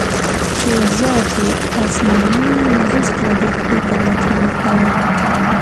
چې ذات یې اصلي نه وي، نو هیڅکله د ښو طمعه ترې مه کوه